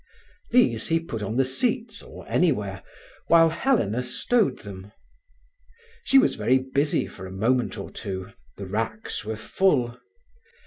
These he put on the seats or anywhere, while Helena stowed them. She was very busy for a moment or two; the racks were full.